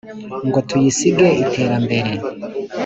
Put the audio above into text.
Ngo tuyisige iterambere